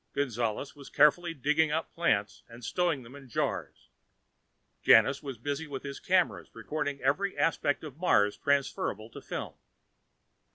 Gonzales was carefully digging up plants and stowing them in jars. Janus was busy with his cameras, recording every aspect of Mars transferable to film.